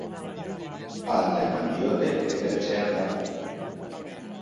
Alta eman diote eta etxean da.